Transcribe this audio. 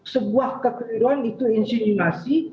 sebuah kekeliruan itu insinuasi